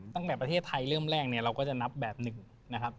ตั้งแต่ประเทศไทยเริ่มแรกเราก็จะนับแบบ๑